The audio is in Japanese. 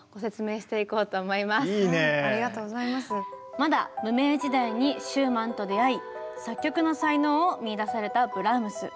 まだ無名時代にシューマンと出会い作曲の才能を見いだされたブラームス。